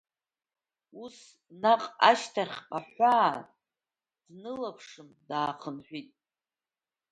Ус наҟ ашьҭахьҟа аҳәаа днылаԥшын, даахынҳәит.